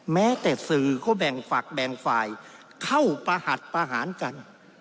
แม้แต่สื่อเขาแบ่งฝักแบ่งฝ่ายเข้าประหัสประหารกัน